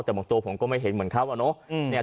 แต่บางตัวผมก็ไม่เห็นเหมือนเขาอะเนาะ